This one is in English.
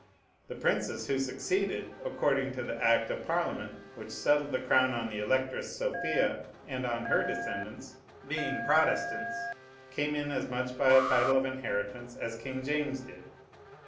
The princes who succeeded according to the act of Parliament which settled the crown on the Electress Sophia and on her descendants, being Protestants, came in as much by a title of inheritance as King James did.